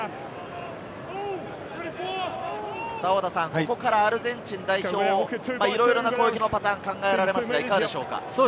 ここからアルゼンチン代表、いろいろな攻撃のパターンが考えられますが、いかがでしょうか？